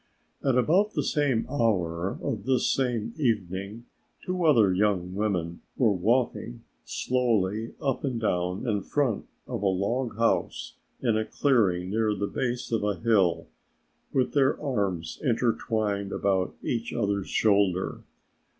At about the same hour of this same evening, two other young women were walking slowly up and down in front of a log house in a clearing near the base of a hill, with their arms intertwined about each other's shoulder.